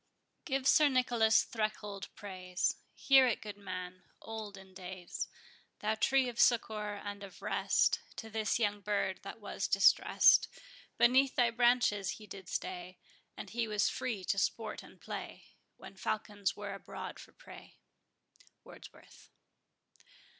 Give Sir Nicholas Threlkeld praise; Hear it, good man, old in days, Thou tree of succour and of rest To this young bird that was distress'd; Beneath thy branches he did stay; And he was free to sport and play, When falcons were abroad for prey. WORDSWORTH.